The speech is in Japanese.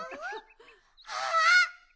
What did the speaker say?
あっ！